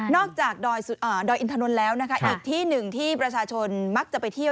จากดอยอินทนนท์แล้วนะคะอีกที่หนึ่งที่ประชาชนมักจะไปเที่ยว